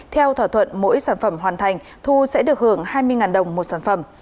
theo thỏa thuận mỗi sản phẩm hoàn thành thu sẽ được hưởng hai mươi đồng một sản phẩm